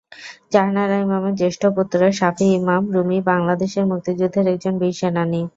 জাহানারা ইমামের জ্যেষ্ঠ পুত্র শাফী ইমাম রুমী বাংলাদেশের মুক্তিযুদ্ধের একজন বীর সেনানী।